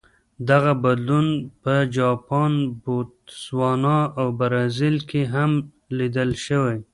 دغه بدلون په جاپان، بوتسوانا او برازیل کې هم لیدل شوی.